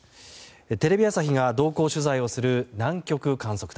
テレビ朝日が同行取材をする南極観測隊。